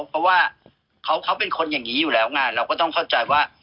เพราะว่าเขาเป็นคนอย่างนี้อยู่แล้วไงเราก็ต้องเข้าใจว่า